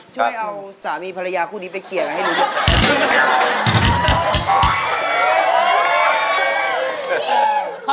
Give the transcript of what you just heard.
ช่วยเอาสามีภรรยาคู่นี้ไปเคลียร์กันให้ดูด้วย